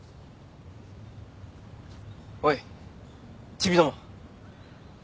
おいちびども。